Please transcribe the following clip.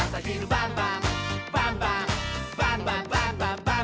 「バンバンバンバンバンバン！」